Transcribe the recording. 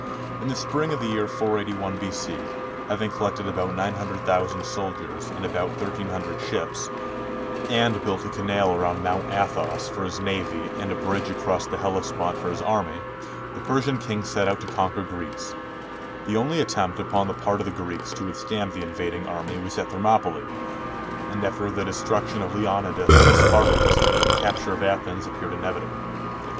In the spring of the year 481 B.C., ha\dng collected about 900,000 soldiers and about 1300 ships, and built a canal around Mount Athos for his navy and a bridge across the Hellespont for his army, the Persian king set out to conquer Greece. The only attempt upon the part of the Greeks to A^dthstand the invading army was at Thermopylae, and after the destruction of Leonidas and his Spartans, the capture of Athens appeared ine vitable.